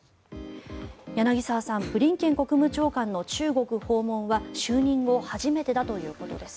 柳澤さん、ブリンケン国務長官の中国訪問は就任後初めてだということです。